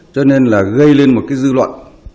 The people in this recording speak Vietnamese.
cho nên là gây lên một cái dư luận